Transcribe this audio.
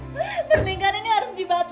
berlinggan ini harus dibatalin bu